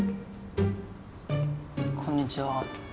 こんにちは。